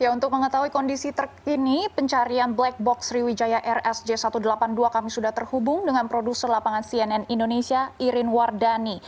untuk mengetahui kondisi terkini pencarian black box sriwijaya rsj satu ratus delapan puluh dua kami sudah terhubung dengan produser lapangan cnn indonesia irin wardani